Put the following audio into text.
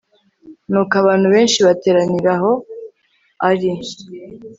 nuko abantu benshi bateranira aho ari